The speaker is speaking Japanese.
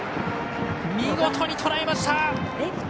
見事に、とらえました！